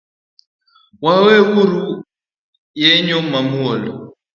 Wereuru eyo mamuol